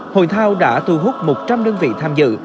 hội thao đã thu hút một trăm linh đơn vị tham dự